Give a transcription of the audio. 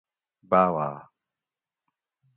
باواۤ